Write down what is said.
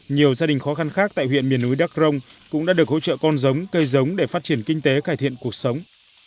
nhiều gia đình khó khăn khác tại huyện miền núi đắk rồng cũng đã được hỗ trợ con giống cây giống để phát triển kinh tế cải thiện cuộc sống